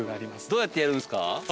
どうやってやるんすか？